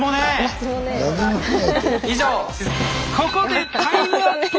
ここでタイムアップ！